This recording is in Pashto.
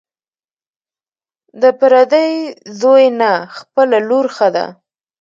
ـ د پردي زوى نه، خپله لور ښه ده.